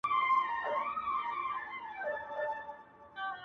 درواغجن حافظه نلري -